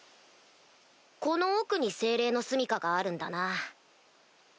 この奥に精霊の棲家があるんだな。